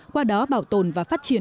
qua đó bảo tồn và phát triển